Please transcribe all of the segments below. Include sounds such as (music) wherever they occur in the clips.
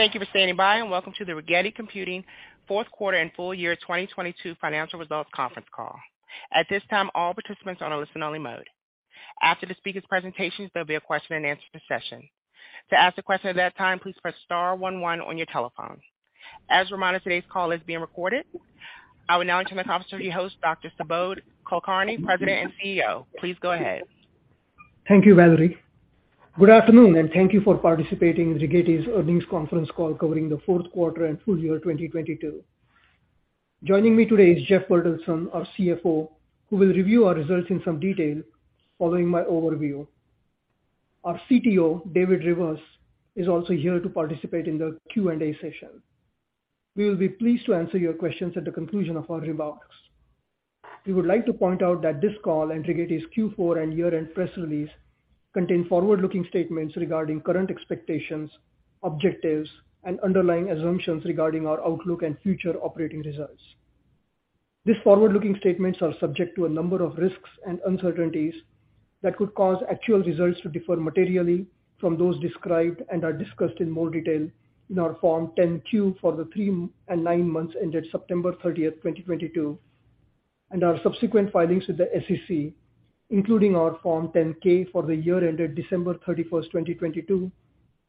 Thank you for standing by. Welcome to the Rigetti Computing fourth quarter and full year 2022 financial results conference call. At this time, all participants are on a listen only mode. After the speaker's presentations, there'll be a question and answer session. To ask a question at that time, please press star one one on your telephone. As a reminder, today's call is being recorded. I will now turn this conference over to your host, Dr. Subodh Kulkarni, President and CEO. Please go ahead. Thank you, Valerie. Good afternoon, and thank you for participating in Rigetti Computing's earnings conference call covering the fourth quarter and full year 2022. Joining me today is Jeffrey Bertelsen, our CFO, who will review our results in some detail following my overview. Our CTO, David Rivas, is also here to participate in the Q&A session. We will be pleased to answer your questions at the conclusion of our remarks. We would like to point out that this call and Rigetti Computing's Q4 and year-end press release contain forward-looking statements regarding current expectations, objectives, and underlying assumptions regarding our outlook and future operating results. These forward-looking statements are subject to a number of risks and uncertainties that could cause actual results to differ materially from those described and are discussed in more detail in our Form 10-Q for the three and nine months ended September 30th, 2022, and our subsequent filings with the SEC, including our Form 10-K for the year ended December 31st, 2022,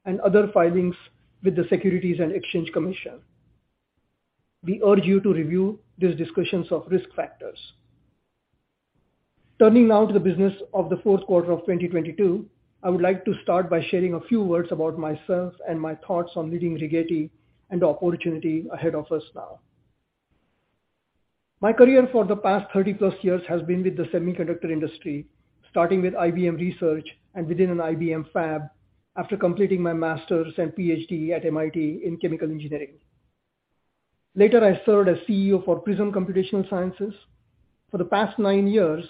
and other filings with the Securities and Exchange Commission. We urge you to review these discussions of risk factors. Turning now to the business of the fourth quarter of 2022, I would like to start by sharing a few words about myself and my thoughts on leading Rigetti Computing and the opportunity ahead of us now. My career for the past 30+ years has been with the semiconductor industry, starting with IBM Research and within an IBM fab after completing my master's and PhD at MIT in chemical engineering. Later, I served as CEO for Prism Computational Sciences. For the past nine years,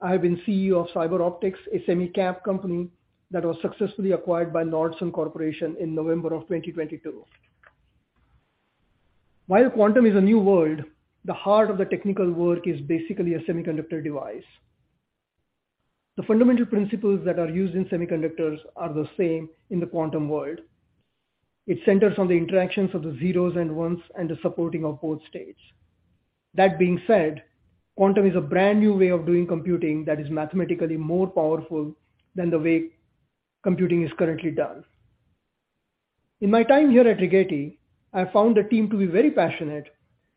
I have been CEO of CyberOptics, a semi-cap company that was successfully acquired by Nordson Corporation in November of 2022. While quantum is a new world, the heart of the technical work is basically a semiconductor device. The fundamental principles that are used in semiconductors are the same in the quantum world. It centers on the interactions of the zeroes and ones and the supporting of both states. That being said, quantum is a brand-new way of doing computing that is mathematically more powerful than the way computing is currently done. In my time here at Rigetti, I found the team to be very passionate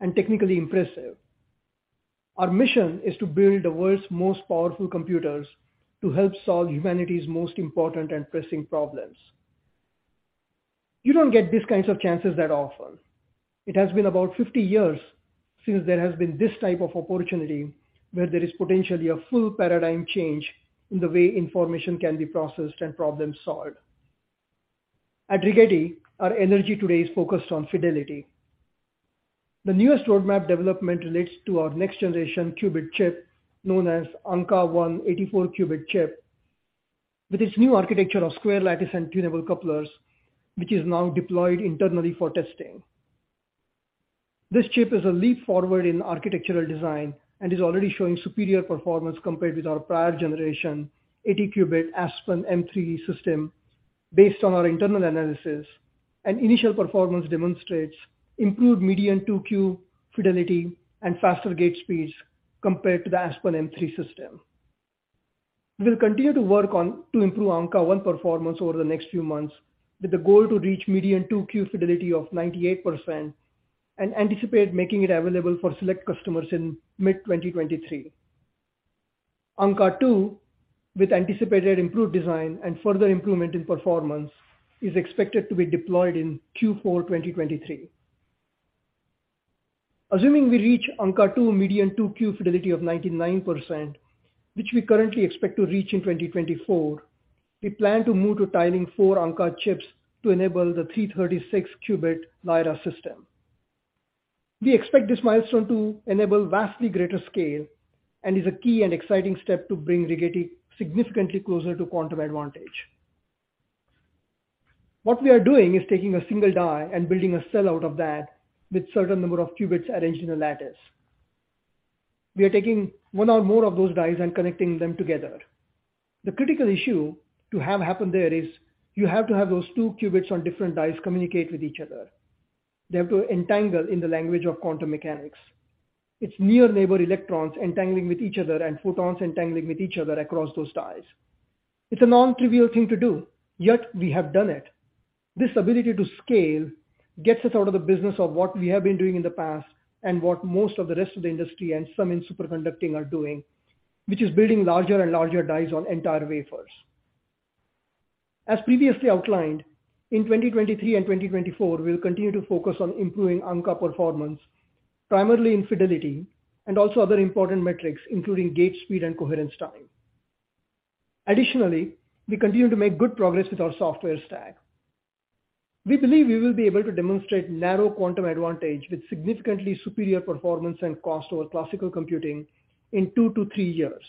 and technically impressive. Our mission is to build the world's most powerful computers to help solve humanity's most important and pressing problems. You don't get these kinds of chances that often. It has been about 50 years since there has been this type of opportunity where there is potentially a full paradigm change in the way information can be processed and problems solved. At Rigetti, our energy today is focused on fidelity. The newest roadmap development relates to our next-generation qubit chip, known as Ankaa-1 84-qubit chip, with its new architecture of square lattice and tunable couplers, which is now deployed internally for testing. This chip is a leap forward in architectural design and is already showing superior performance compared with our prior generation 80-qubit Aspen-M-3 system based on our internal analysis and initial performance demonstrates improved median two-qubit fidelity and faster gate speeds compared to the Aspen-M-3 system. We'll continue to work on to improve Ankaa-1 performance over the next few months with the goal to reach median two-qubit fidelity of 98% and anticipate making it available for select customers in mid-2023. Ankaa-2, with anticipated improved design and further improvement in performance, is expected to be deployed in Q4 2023. Assuming we reach Ankaa-2 median 2-qubit fidelity of 99%, which we currently expect to reach in 2024, we plan to move to tiling four Ankaa chips to enable the 336-qubit Lyra system. We expect this milestone to enable vastly greater scale and is a key and exciting step to bring Rigetti significantly closer to quantum advantage. What we are doing is taking a single die and building a cell out of that with certain number of qubits arranged in a lattice. We are taking one or more of those dies and connecting them together. The critical issue to have happen there is you have to have those two qubits on different dies communicate with each other. They have to entangle in the language of quantum mechanics. It's near neighbor electrons entangling with each other and photons entangling with each other across those dies. It's a non-trivial thing to do, yet we have done it. This ability to scale gets us out of the business of what we have been doing in the past and what most of the rest of the industry and some in superconducting are doing, which is building larger and larger dies on entire wafers. As previously outlined, in 2023 and 2024, we'll continue to focus on improving Ankaa performance, primarily in fidelity and also other important metrics, including gate speed and coherence time. Additionally, we continue to make good progress with our software stack. We believe we will be able to demonstrate narrow quantum advantage with significantly superior performance and cost over classical computing in two to three years.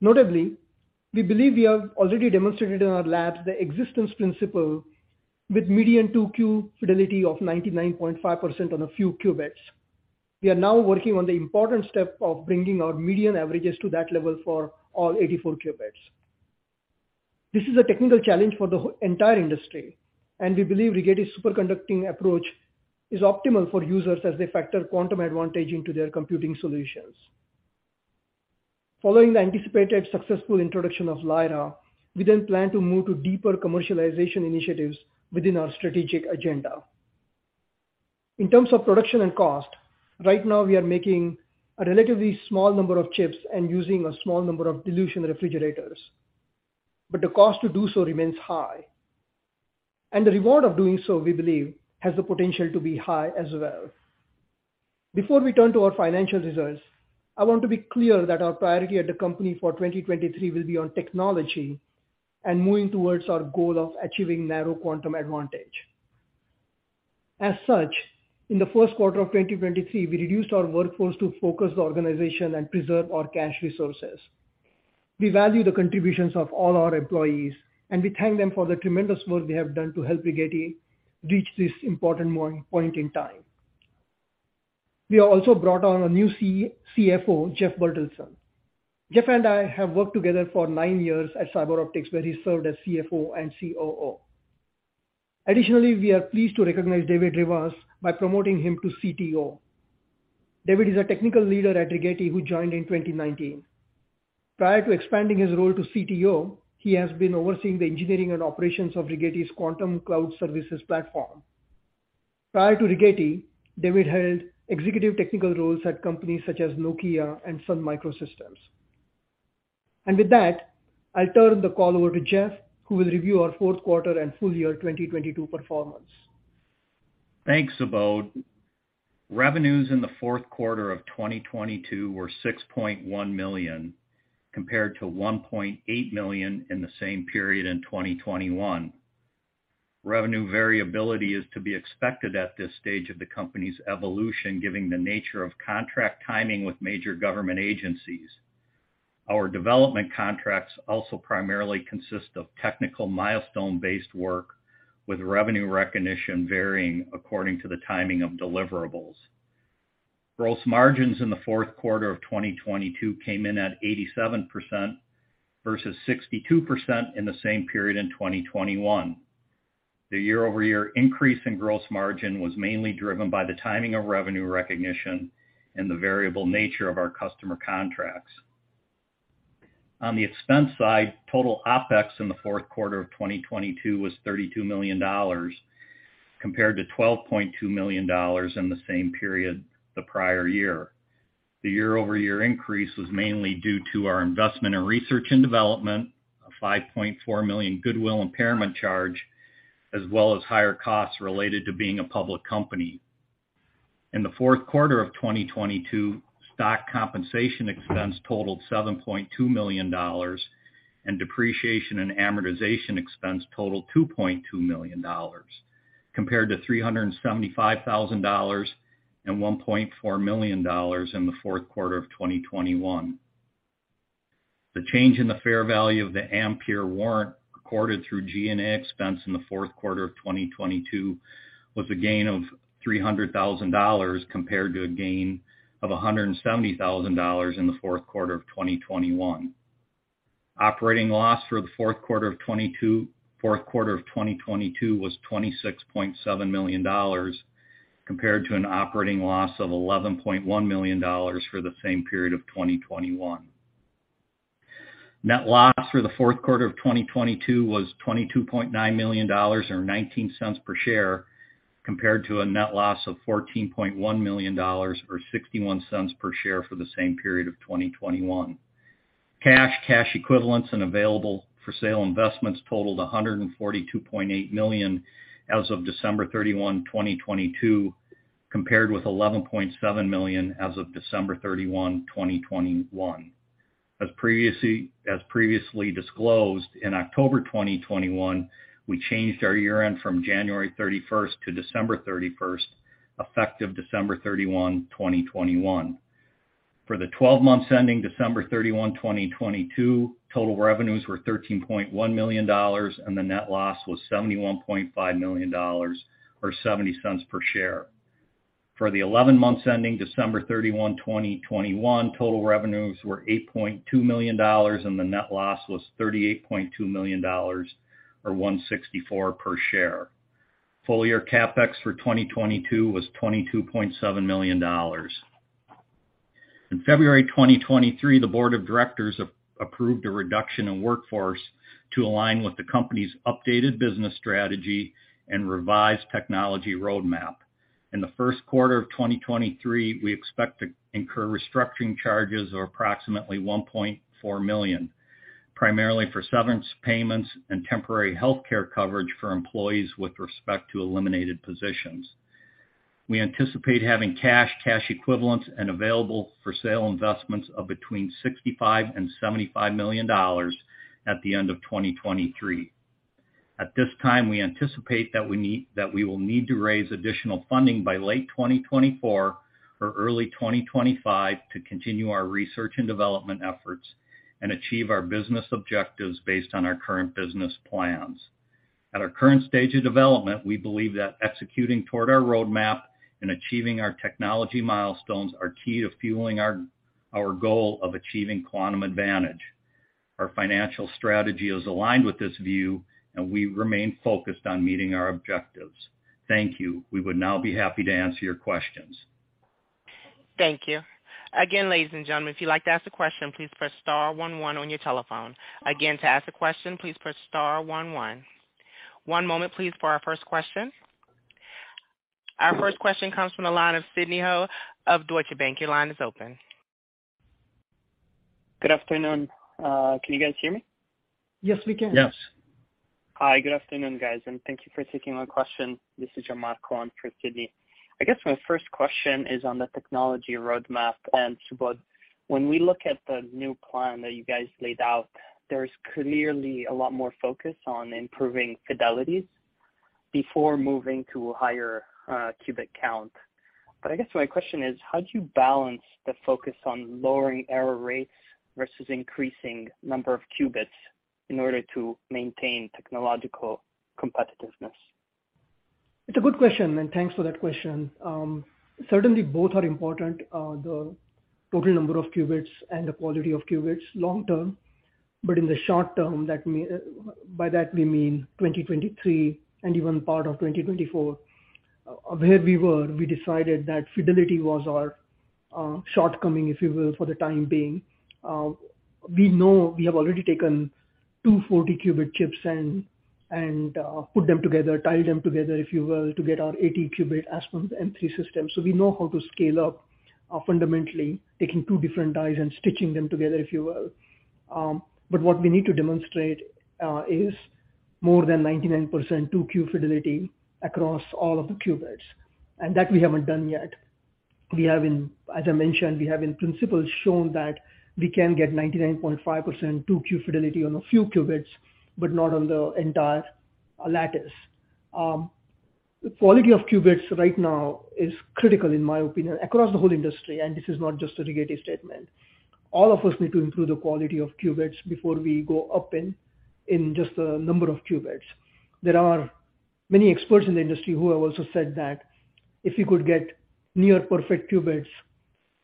Notably, we believe we have already demonstrated in our labs the existence principle with median two-qubit fidelity of 99.5% on a few qubits. We are now working on the important step of bringing our median averages to that level for all 84-qubits. This is a technical challenge for the entire industry, and we believe Rigetti's superconducting approach is optimal for users as they factor quantum advantage into their computing solutions. Following the anticipated successful introduction of Lyra, we plan to move to deeper commercialization initiatives within our strategic agenda. In terms of production and cost, right now we are making a relatively small number of chips and using a small number of dilution refrigerators, but the cost to do so remains high. The reward of doing so, we believe, has the potential to be high as well. Before we turn to our financial results, I want to be clear that our priority at the company for 2023 will be on technology and moving towards our goal of achieving narrow quantum advantage. As such, in the first quarter of 2023, we reduced our workforce to focus the organization and preserve our cash resources. We value the contributions of all our employees, and we thank them for the tremendous work they have done to help Rigetti reach this important point in time. We also brought on a new CFO, Jeffrey Bertelsen. Jeff and I have worked together for nine years at CyberOptics, where he served as CFO and COO. Additionally, we are pleased to recognize David Rivas by promoting him to CTO. David is a technical leader at Rigetti, who joined in 2019. Prior to expanding his role to CTO, he has been overseeing the engineering and operations of Rigetti's Quantum Cloud Services platform. Prior to Rigetti, David held executive technical roles at companies such as Nokia and Sun Microsystems. With that, I'll turn the call over to Jeff, who will review our fourth quarter and full year 2022 performance. Thanks, Subodh. Revenues in the fourth quarter of 2022 were $6.1 million, compared to $1.8 million in the same period in 2021. Revenue variability is to be expected at this stage of the company's evolution, giving the nature of contract timing with major government agencies. Our development contracts also primarily consist of technical milestone-based work, with revenue recognition varying according to the timing of deliverables. Gross margins in the fourth quarter of 2022 came in at 87% versus 62% in the same period in 2021. The year-over-year increase in gross margin was mainly driven by the timing of revenue recognition and the variable nature of our customer contracts. On the expense side, total OpEx in the fourth quarter of 2022 was $32 million compared to $12.2 million in the same period the prior year. The year-over-year increase was mainly due to our investment in research and development, a $5.4 million goodwill impairment charge, as well as higher costs related to being a public company. In the fourth quarter of 2022, stock compensation expense totaled $7.2 million, and depreciation and amortization expense totaled $2.2 million, compared to $375,000 and $1.4 million in the fourth quarter of 2021. The change in the fair value of the Ampere Warrant recorded through G&A expense in the fourth quarter of 2022 was a gain of $300,000 compared to a gain of $170,000 in the fourth quarter of 2021. Operating loss for the fourth quarter of 2022 was $26.7 million compared to an operating loss of $11.1 million for the same period of 2021. Net loss for the fourth quarter of 2022 was $22.9 million or $0.19 per share, compared to a net loss of $14.1 million or $0.61 per share for the same period of 2021. Cash, cash equivalents, and available for sale investments totaled $142.8 million as of December 31, 2022, compared with $11.7 million as of December 31, 2021. As previously disclosed, in October 2021, we changed our year-end from January 31st to December 31st, effective December 31, 2021. For the 12 months ending December 31, 2022, total revenues were $13.1 million. The net loss was $71.5 million or $0.70 per share. For the 11 months ending December 31, 2021, total revenues were $8.2 million. The net loss was $38.2 million or $1.64 per share. Full-year CapEx for 2022 was $22.7 million. In February 2023, the board of directors approved a reduction in workforce to align with the company's updated business strategy and revised technology roadmap. In the first quarter of 2023, we expect to incur restructuring charges or approximately $1.4 million, primarily for severance payments and temporary healthcare coverage for employees with respect to eliminated positions. We anticipate having cash equivalents, and available for sale investments of between $65 million and $75 million at the end of 2023. At this time, we anticipate that we will need to raise additional funding by late 2024 or early 2025 to continue our research and development efforts and achieve our business objectives based on our current business plans. At our current stage of development, we believe that executing toward our roadmap and achieving our technology milestones are key to fueling our goal of achieving quantum advantage. Our financial strategy is aligned with this view, and we remain focused on meeting our objectives. Thank you. We would now be happy to answer your questions. Thank you. Again, ladies and gentlemen, if you'd like to ask a question, please press star one one on your telephone. Again, to ask a question, please press star one one. One moment please for our first question. Our first question comes from the line of Sidney Ho of Deutsche Bank. Your line is open. Good afternoon. Can you guys hear me? Yes, we can. Yes. Hi. Good afternoon, guys, and thank you for taking my question. This is (audio distortion) for Sidney. I guess my first question is on the technology roadmap. Subodh, when we look at the new plan that you guys laid out, there's clearly a lot more focus on improving fidelities before moving to a higher qubit count. I guess my question is, how do you balance the focus on lowering error rates versus increasing number of qubits in order to maintain technological competitiveness? It's a good question. Thanks for that question. Certainly both are important, the total number of qubits and the quality of qubits long term. In the short term, by that we mean 2023 and even part of 2024, where we were, we decided that fidelity was our shortcoming, if you will, for the time being. We know we have already taken two 40-qubit chips and put them together, tie them together, if you will, to get our 80-qubit Aspen-M-3 system. We know how to scale up, fundamentally taking two different dies and stitching them together, if you will. What we need to demonstrate is more than 99% two-qubit fidelity across all of the qubits, that we haven't done yet. As I mentioned, we have in principle shown that we can get 99.5% two-qubit fidelity on a few qubits, but not on the entire lattice. The quality of qubits right now is critical, in my opinion, across the whole industry. This is not just a Rigetti statement. All of us need to improve the quality of qubits before we go up in just the number of qubits. There are many experts in the industry who have also said that if you could get near perfect qubits,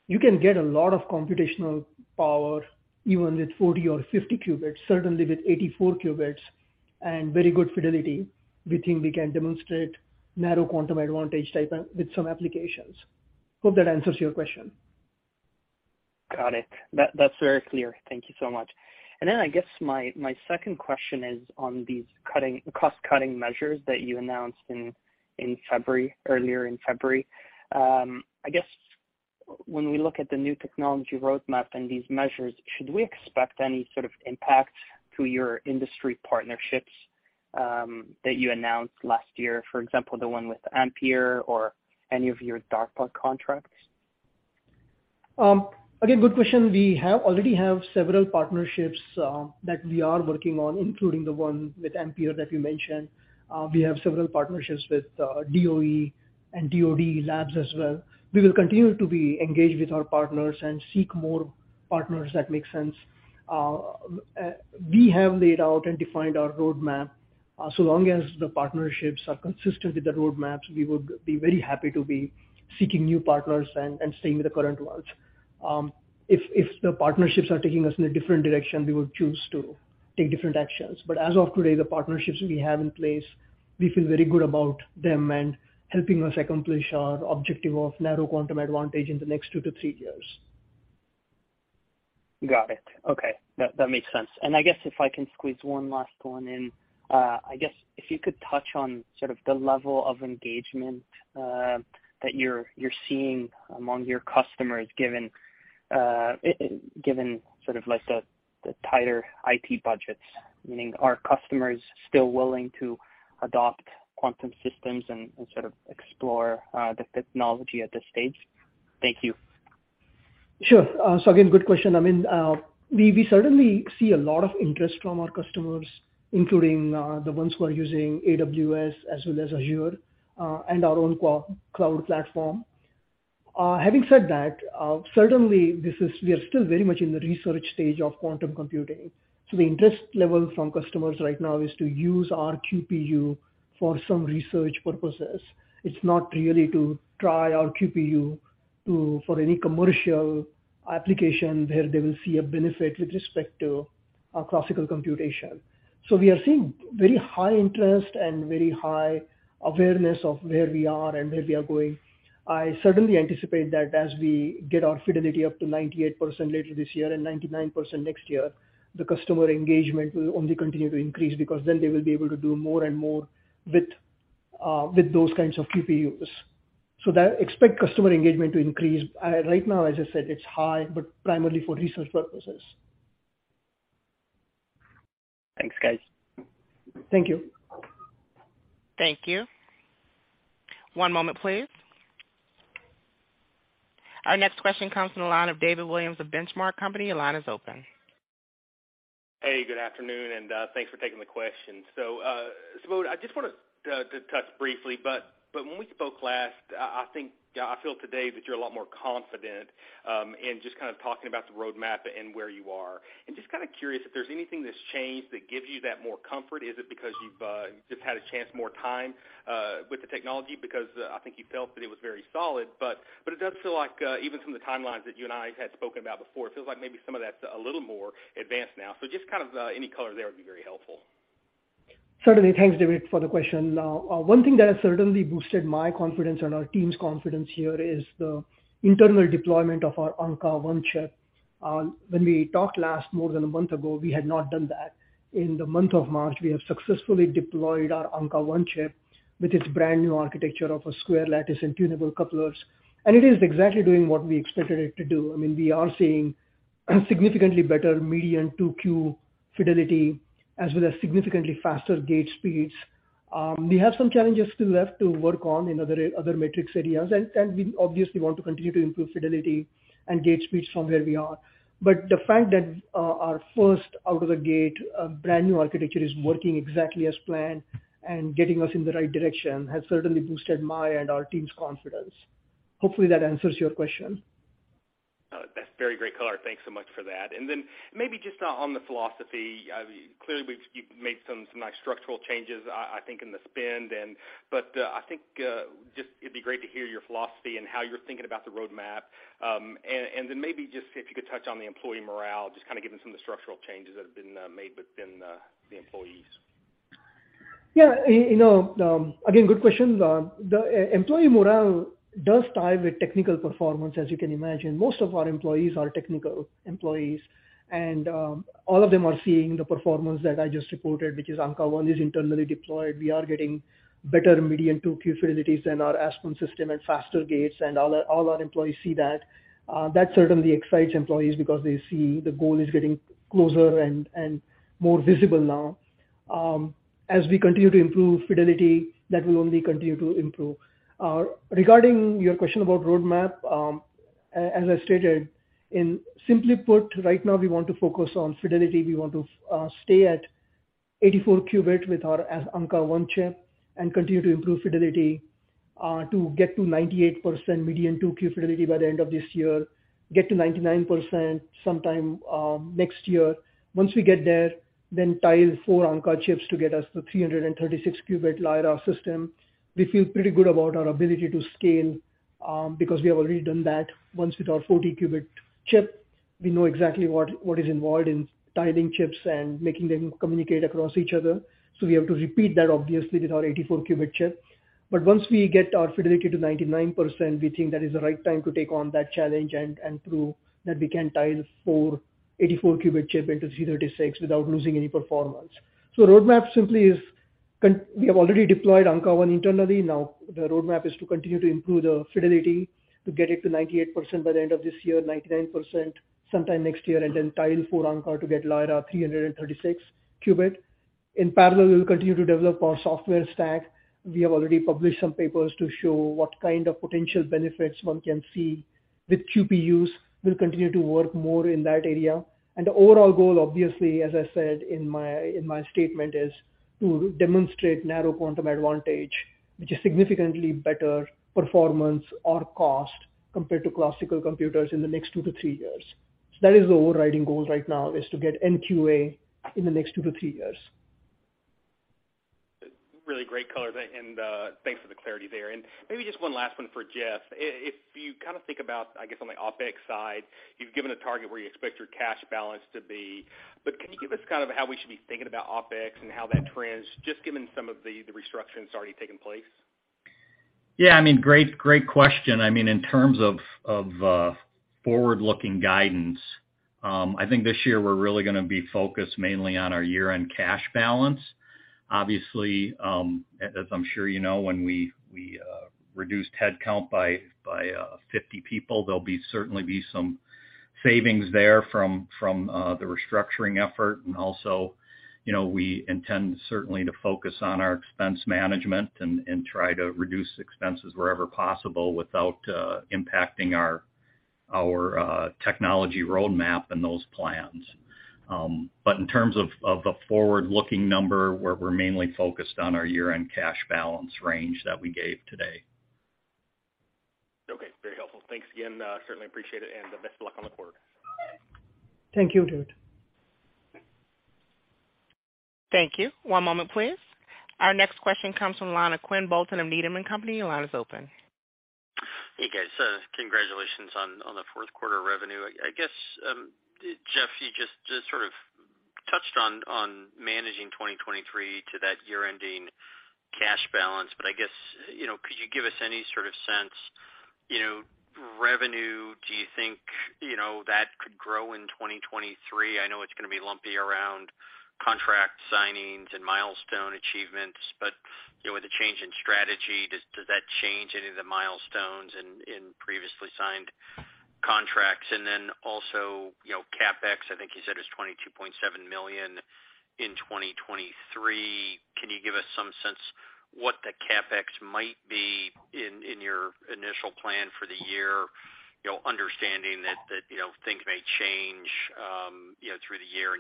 you can get a lot of computational power, even with 40 or 50 qubits, certainly with 84 qubits and very good fidelity. We think we can demonstrate narrow quantum advantage type with some applications. Hope that answers your question. Got it. That's very clear. Thank you so much. I guess my second question is on these cost-cutting measures that you announced in February, earlier in February. I guess when we look at the new technology roadmap and these measures, should we expect any sort of impact to your industry partnerships that you announced last year, for example, the one with Ampere or any of your DARPA contracts? Again, good question. We already have several partnerships that we are working on, including the one with Ampere that you mentioned. We have several partnerships with DOE and DoD Labs as well. We will continue to be engaged with our partners and seek more partners that make sense. We have laid out and defined our roadmap. Long as the partnerships are consistent with the roadmaps, we would be very happy to be seeking new partners and staying with the current ones. If the partnerships are taking us in a different direction, we will choose to take different actions. As of today, the partnerships we have in place, we feel very good about them and helping us accomplish our objective of narrow quantum advantage in the next two to three years. Got it. Okay, that makes sense. I guess if I can squeeze one last one in. I guess if you could touch on sort of the level of engagement that you're seeing among your customers given sort of like the tighter IT budgets. Meaning are customers still willing to adopt quantum systems and sort of explore the technology at this stage? Thank you. Sure. Again, good question. I mean, we certainly see a lot of interest from our customers, including the ones who are using AWS as well as Azure and our own cloud platform. Having said that, certainly we are still very much in the research stage of quantum computing. The interest level from customers right now is to use our QPU for some research purposes. It's not really to try our QPU for any commercial application where they will see a benefit with respect to a classical computation. We are seeing very high interest and very high awareness of where we are and where we are going. I certainly anticipate that as we get our fidelity up to 98% later this year and 99% next year, the customer engagement will only continue to increase because then they will be able to do more and more with with those kinds of QPUs. Expect customer engagement to increase. Right now, as I said, it's high, but primarily for research purposes. Thanks, guys. Thank you. Thank you. One moment, please. Our next question comes from the line of David Williams of Benchmark Company. Your line is open. Hey, good afternoon, and thanks for taking the question. Subodh, I just wanna to touch briefly, but when we spoke last, I feel today that you're a lot more confident in just kind of talking about the roadmap and where you are. Just kind of curious if there's anything that's changed that gives you that more comfort. Is it because you've just had a chance more time with the technology? Because I think you felt that it was very solid. But it does feel like even from the timelines that you and I had spoken about before, it feels like maybe some of that's a little more advanced now. Just kind of any color there would be very helpful. Certainly. Thanks, David, for the question. One thing that has certainly boosted my confidence and our team's confidence here is the internal deployment of our Ankaa-1 chip. When we talked last more than a month ago, we had not done that. In the month of March, we have successfully deployed our Ankaa-1 chip with its brand new architecture of a square lattice and tunable couplers. It is exactly doing what we expected it to do. I mean, we are seeing significantly better median two-qubit fidelity as well as significantly faster gate speeds. We have some challenges still left to work on in other metrics areas. We obviously want to continue to improve fidelity and gate speeds from where we are. The fact that our first out of the gate brand-new architecture is working exactly as planned and getting us in the right direction has certainly boosted my and our team's confidence. Hopefully that answers your question. Oh, that's very great color. Thanks so much for that. Then maybe just on the philosophy, clearly you've made some nice structural changes, I think in the spend and... But, I think, just it'd be great to hear your philosophy and how you're thinking about the roadmap. And, and then maybe just if you could touch on the employee morale, just kinda given some of the structural changes that have been made within the employees. Yeah. You know, again, good question. Employee morale does tie with technical performance, as you can imagine. Most of our employees are technical employees, and all of them are seeing the performance that I just reported, which is Ankaa-1 is internally deployed. We are getting better median two-qubit fidelities than our Aspen system and faster gates and all our employees see that. That certainly excites employees because they see the goal is getting closer and more visible now. As we continue to improve fidelity, that will only continue to improve. Regarding your question about roadmap, as I stated, in simply put, right now we want to focus on fidelity. We want to stay at 84-qubit with our Ankaa-1 chip and continue to improve fidelity to get to 98% median two-qubit fidelity by the end of this year, get to 99% sometime next year. Once we get there, tile four Ankaa chips to get us to 336-qubit Lyra system. We feel pretty good about our ability to scale because we have already done that once with our 40-qubit chip. We know exactly what is involved in tiling chips and making them communicate across each other. We have to repeat that obviously with our 84-qubit chip. Once we get our fidelity to 99%, we think that is the right time to take on that challenge and prove that we can tile four 84-qubit chip into 336 without losing any performance. The roadmap simply is we have already deployed Ankaa-1 internally. Now the roadmap is to continue to improve the fidelity to get it to 98% by the end of this year, 99% sometime next year, and then tile four Ankaa to get Lyra 336-qubit. In parallel, we will continue to develop our software stack. We have already published some papers to show what kind of potential benefits one can see with QPUs. We'll continue to work more in that area. The overall goal, obviously, as I said in my statement, is to demonstrate narrow quantum advantage, which is significantly better performance or cost compared to classical computers in the next two to three years. That is the overriding goal right now, is to get NQA in the next two to three years. Really great color. Thanks for the clarity there. Maybe just one last one for Jeff. If you kind of think about, I guess, on the OpEx side, you've given a target where you expect your cash balance to be. Can you give us kind of how we should be thinking about OpEx and how that trends, just given some of the restructurings already taking place? Yeah, I mean, great question. I mean, in terms of forward-looking guidance, I think this year we're really gonna be focused mainly on our year-end cash balance. Obviously, as I'm sure you know, when we reduced headcount by 50 people, there'll be certainly be some savings there from the restructuring effort. Also, you know, we intend certainly to focus on our expense management and try to reduce expenses wherever possible without impacting our technology roadmap and those plans. In terms of the forward-looking number, we're mainly focused on our year-end cash balance range that we gave today. Okay, very helpful. Thanks again, certainly appreciate it and, best of luck on the quarter. Thank you, David. Thank you. One moment, please. Our next question comes from the line of Quinn Bolton of Needham and Company. Lana's open. Hey, guys. Congratulations on the fourth quarter revenue. I guess, Jeff, you sort of touched on managing 2023 to that year-ending cash balance, but I guess, you know, could you give us any sort of sense, you know, revenue, do you think, you know, that could grow in 2023? I know it's gonna be lumpy around contract signings and milestone achievements, but, you know, with the change in strategy, does that change any of the milestones in previously signed contracts? You know, CapEx, I think you said is $22.7 million in 2023. Can you give us some sense what the CapEx might be in your initial plan for the year? You know, understanding that, you know, things may change through the year.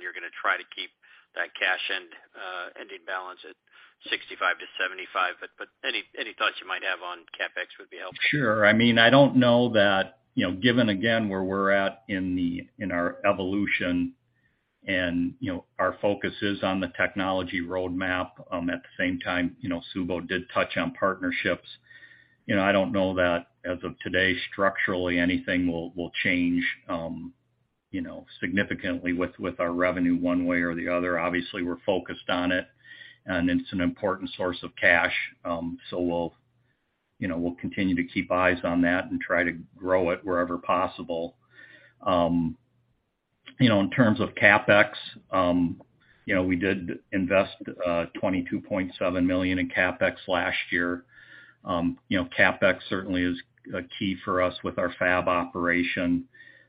Try to keep that cash ending balance at $65 million-$75 million. Any thoughts you might have on CapEx would be helpful. Sure. I mean, I don't know that, you know, given again, where we're at in our evolution and, you know, our focus is on the technology roadmap. At the same time, you know, Subodh did touch on partnerships. You know, I don't know that as of today, structurally anything will change, you know, significantly with our revenue one way or the other. Obviously, we're focused on it, and it's an important source of cash. We'll, you know, we'll continue to keep eyes on that and try to grow it wherever possible. You know, in terms of CapEx, you know, we did invest $22.7 million in CapEx last year. You know, CapEx certainly is a key for us with our fab operation.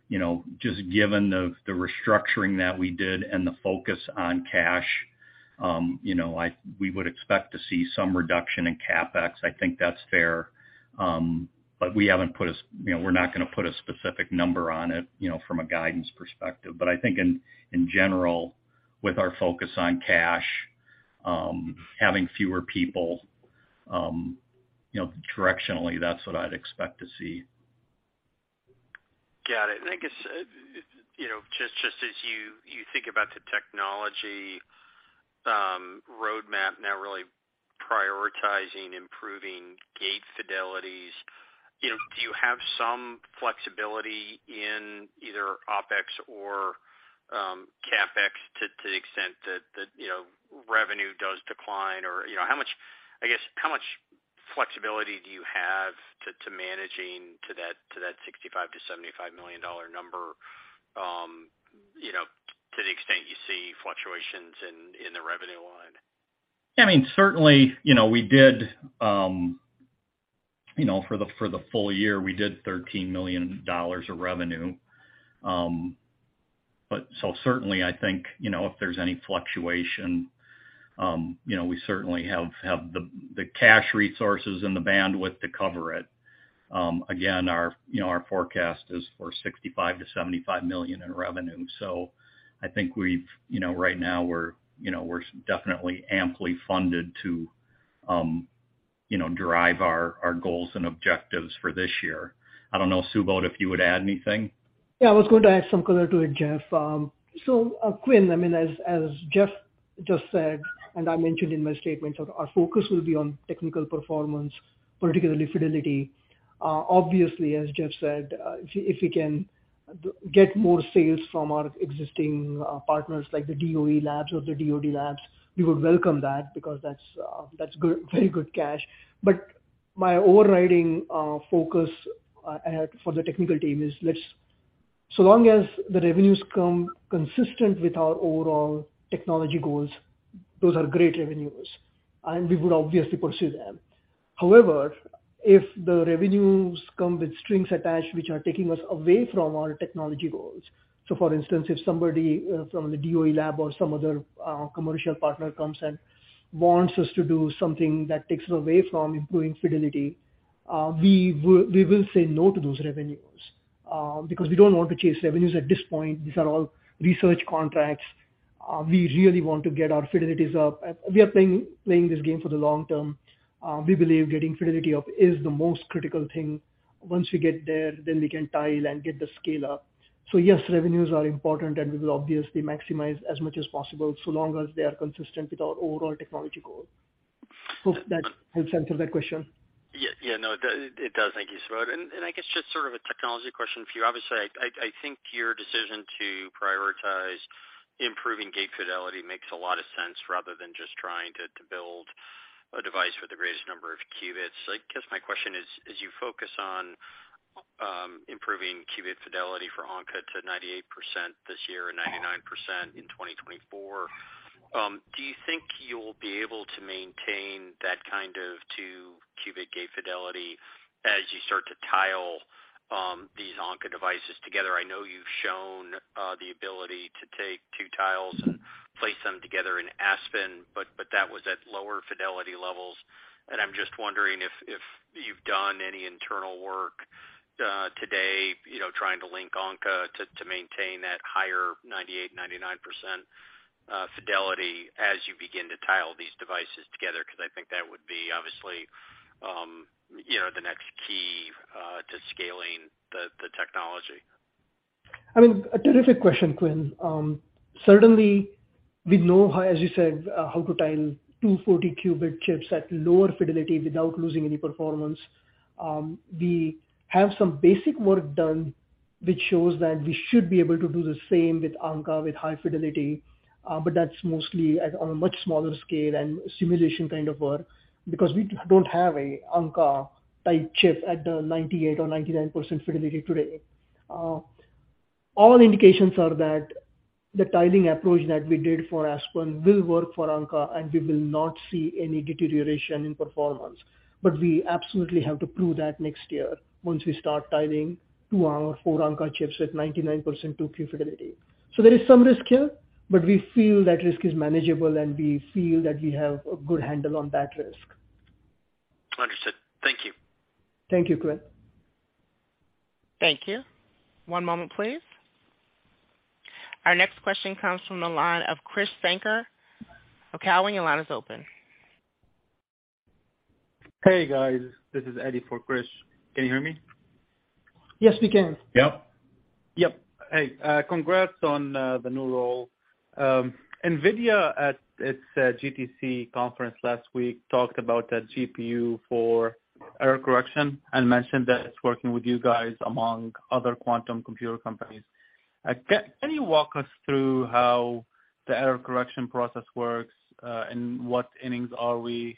You know, just given the restructuring that we did and the focus on cash, you know, we would expect to see some reduction in CapEx. I think that's fair. You know, we're not gonna put a specific number on it, you know, from a guidance perspective. I think in general, with our focus on cash, having fewer people, you know, directionally, that's what I'd expect to see. Got it. I guess, you know, just as you think about the technology roadmap now really prioritizing improving gate fidelities, you know, do you have some flexibility in either OpEx or CapEx to the extent that, you know, revenue does decline? I guess, how much flexibility do you have to managing to that $65 million-$75 million number, you know, to the extent you see fluctuations in the revenue line? I mean, certainly, you know, we did, you know, for the, for the full year, we did $13 million of revenue. Certainly I think, you know, if there's any fluctuation, you know, we certainly have the cash resources and the bandwidth to cover it. Again, our, you know, our forecast is for $65 million-$75 million in revenue. I think we've, you know, right now we're, you know, we're definitely amply funded to, you know, drive our goals and objectives for this year. I don't know, Subodh, if you would add anything. Yeah. I was going to add some color to it, Jeff. Quinn, I mean, as Jeff just said, and I mentioned in my statement, our focus will be on technical performance, particularly fidelity. Obviously, as Jeff said, if we can get more sales from our existing partners like the DOE Labs or the DoD Labs, we would welcome that because that's very good cash. My overriding focus I had for the technical team is so long as the revenues come consistent with our overall technology goals, those are great revenues, and we would obviously pursue them. If the revenues come with strings attached, which are taking us away from our technology goals, for instance, if somebody from the DOE Lab or some other commercial partner comes and wants us to do something that takes us away from improving fidelity, we will say no to those revenues because we don't want to chase revenues at this point. These are all research contracts. We really want to get our fidelities up. We are playing this game for the long term. We believe getting fidelity up is the most critical thing. Once we get there, we can tile and get the scale up. Yes, revenues are important, and we will obviously maximize as much as possible so long as they are consistent with our overall technology goal. Hope that helps answer that question. Yeah. Yeah. No, it does. Thank you, Subodh. I guess just sort of a technology question for you. Obviously, I, I think your decision to prioritize improving gate fidelity makes a lot of sense rather than just trying to build a device with the greatest number of qubits. I guess my question is, as you focus on improving qubit fidelity for Ankaa to 98% this year and 99% in 2024, do you think you'll be able to maintain that kind of two-qubit gate fidelity as you start to tile these Ankaa devices together? I know you've shown the ability to take two tiles and place them together in Aspen, but that was at lower fidelity levels. I'm just wondering if you've done any internal work today, you know, trying to link Ankaa to maintain that higher 98%, 99% fidelity as you begin to tile these devices together, because I think that would be obviously, you know, the next key to scaling the technology. I mean, a terrific question, Quinn. Certainly we know how, as you said, how to tile 240-qubit chips at lower fidelity without losing any performance. We have some basic work done which shows that we should be able to do the same with Ankaa with high fidelity, but that's mostly on a much smaller scale and simulation kind of work because we don't have a Ankaa type chip at the 98% or 99% fidelity today. All indications are that the tiling approach that we did for Aspen will work for Ankaa, and we will not see any deterioration in performance. We absolutely have to prove that next year once we start tiling two or four Ankaa chips at 99% two-qubit fidelity. There is some risk here, but we feel that risk is manageable, and we feel that we have a good handle on that risk. That's it. Thank you. Thank you, Quinn. Thank you. One moment, please. Our next question comes from the line of Krish Sankar of TD Cowen, when your line is open. Hey, guys. This is Eddie for Krish. Can you hear me? Yes, we can. Yep. Yep. Hey, congrats on the new role. NVIDIA at its GTC conference last week talked about a GPU for error correction and mentioned that it's working with you guys among other quantum computer companies. Can you walk us through how the error correction process works, and what innings are we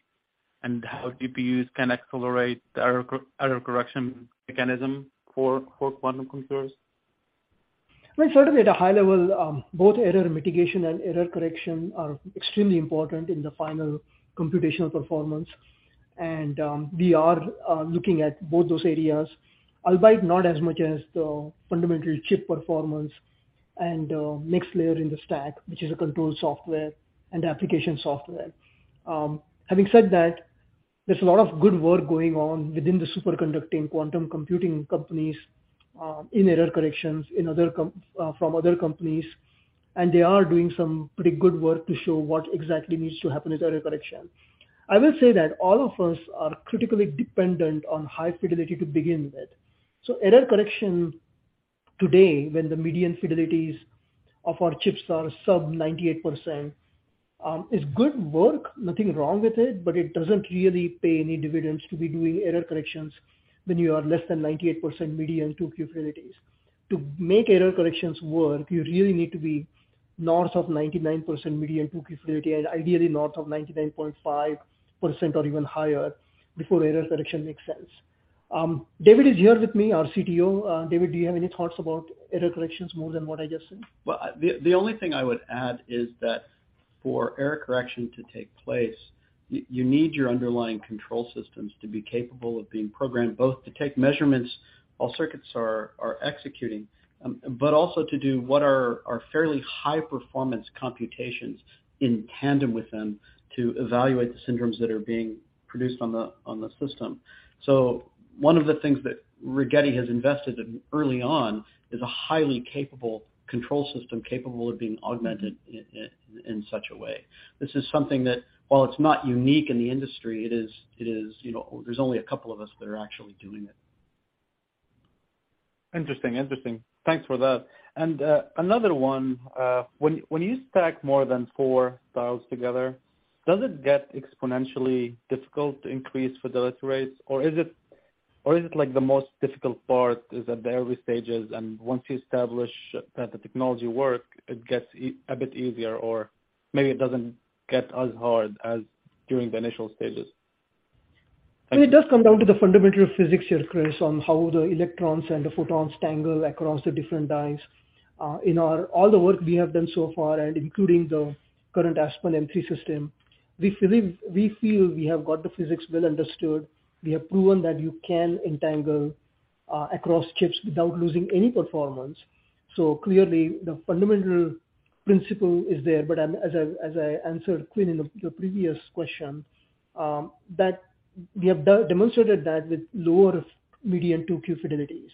and how GPUs can accelerate the error correction mechanism for quantum computers? Well, sort of at a high level, both error mitigation and error correction are extremely important in the final computational performance. We are looking at both those areas, albeit not as much as the fundamental chip performance and next layer in the stack, which is a control software and application software. Having said that, there's a lot of good work going on within the superconducting quantum computing companies, in error corrections from other companies, and they are doing some pretty good work to show what exactly needs to happen with error correction. I will say that all of us are critically dependent on high fidelity to begin with. Error correction today, when the median fidelities of our chips are sub 98%, is good work, nothing wrong with it, but it doesn't really pay any dividends to be doing error corrections when you are less than 98% median two-qubit fidelities. To make error corrections work, you really need to be north of 99% median two-qubit fidelity and ideally north of 99.5% or even higher before error correction makes sense. David is here with me, our CTO. David, do you have any thoughts about error corrections more than what I just said? Well, the only thing I would add is that for error correction to take place, you need your underlying control systems to be capable of being programmed, both to take measurements while circuits are executing, but also to do what are fairly high performance computations in tandem with them to evaluate the syndromes that are being produced on the system. One of the things that Rigetti has invested in early on is a highly capable control system capable of being augmented in such a way. This is something that, while it's not unique in the industry, it is, you know, there's only a couple of us that are actually doing it. Interesting. Interesting. Thanks for that. Another one. When you stack more than four tiles together, does it get exponentially difficult to increase fidelity rates? Or is it like the most difficult part is at the early stages, and once you establish that the technology work, it gets a bit easier, or maybe it doesn't get as hard as during the initial stages? I mean, it does come down to the fundamental physics here, Krish, on how the electrons and the photons tangle across the different dyes. All the work we have done so far and including the current Aspen-M-3 system, we feel we have got the physics well understood. We have proven that you can entangle across chips without losing any performance. Clearly the fundamental principle is there. As I answered Quinn your previous question, that we have de-demonstrated that with lower median two-qubit fidelities.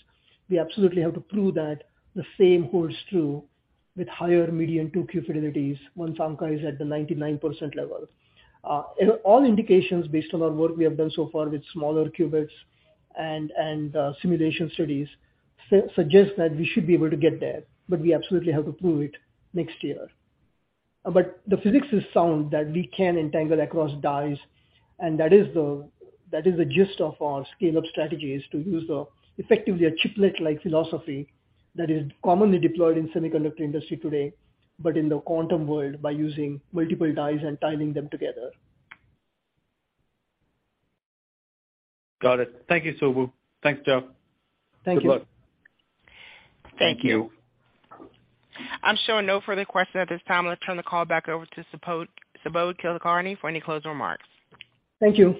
We absolutely have to prove that the same holds true with higher median two-qubit fidelities once Ankaa is at the 99% level. All indications based on our work we have done so far with smaller qubits and simulation studies suggest that we should be able to get there, but we absolutely have to prove it next year. The physics is sound that we can entangle across dies, and that is the gist of our scale-up strategy, is to use effectively a chiplet-like philosophy that is commonly deployed in semiconductor industry today, but in the quantum world by using multiple dies and tiling them together. Got it. Thank you, Subodh. Thanks, Jeff. Thank you. Good luck. Thank you. I'm showing no further questions at this time. Let's turn the call back over to Subodh Kulkarni for any closing remarks. Thank you.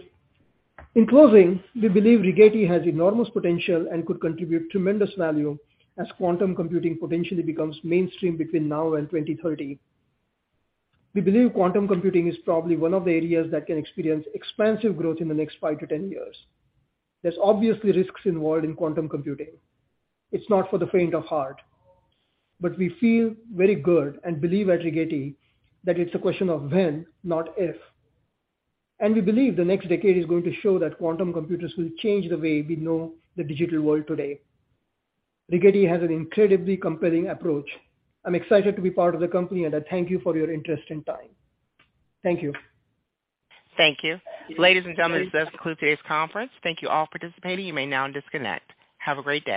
In closing, we believe Rigetti has enormous potential and could contribute tremendous value as quantum computing potentially becomes mainstream between now and 2030. We believe quantum computing is probably one of the areas that can experience expansive growth in the next 5 years-10 years. There's obviously risks involved in quantum computing. It's not for the faint of heart. We feel very good and believe at Rigetti that it's a question of when, not if. We believe the next decade is going to show that quantum computers will change the way we know the digital world today. Rigetti has an incredibly compelling approach. I'm excited to be part of the company, and I thank you for your interest and time. Thank you. Thank you. Ladies and gentlemen, this does conclude today's conference. Thank you all for participating. You may now disconnect. Have a great day.